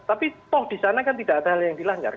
tapi toh di sana kan tidak ada hal yang dilanggar